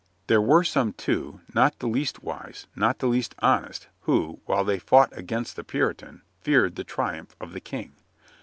There were some, too, not the least wise, not the least honest, who, while they fought against the Puritan, feared the triumph of the King.